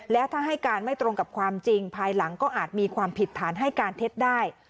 และถ้าให้การไม่ตรงกับความจริงภายหลังก็อาจมีความผิดฐานให้การเท็จได้